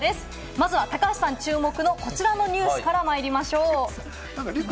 まずは高橋さん、注目のこちらのニュースから参りましょう。